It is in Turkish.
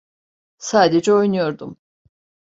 Sadece oynuyordum.